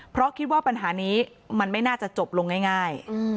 เพราะคิดว่าปัญหานี้มันไม่น่าจะจบลงง่าย